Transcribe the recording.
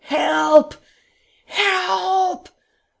"Help! Help!"